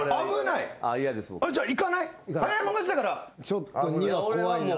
ちょっと弐は怖いな。